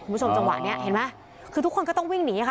คุณผู้ชมจังหวะเนี้ยเห็นไหมคือทุกคนก็ต้องวิ่งหนีค่ะ